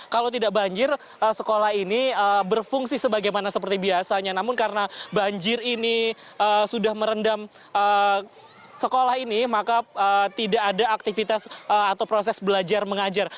kalau tidak banjir sekolah ini berfungsi sebagaimana seperti biasanya namun karena banjir ini sudah merendam sekolah ini maka tidak ada aktivitas atau proses belajar mengajar